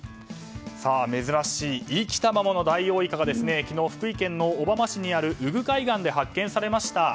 珍しいです生きたままのダイオウイカが昨日、福井県の小浜市にある宇久海岸で発見されました。